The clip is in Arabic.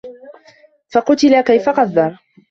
فَقُتِلَ كَيفَ قَدَّرَ